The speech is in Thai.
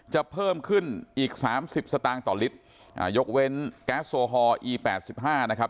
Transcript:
เพิ่มขึ้นอีกสามสิบสตางค์ต่อลิตรอ่ายกเว้นแก๊สโซฮอลอีแปดสิบห้านะครับ